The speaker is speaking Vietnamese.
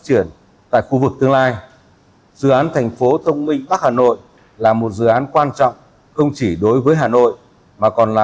việc tìm ra phương án kiến trúc phù hợp nhất hôm nay là một cột bốc quan trọng trên hành trình hiện thực hóa tháp tài chính một trăm linh tám tầng